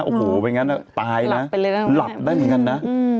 โอ้โหแบบเอาไงนะตายนะหลับได้แบบนั้นนะ